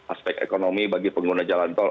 aspek ekonomi bagi pengguna jalan tol